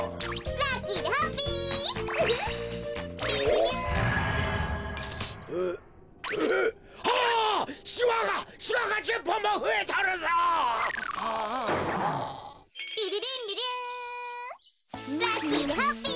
ラッキーでハッピー！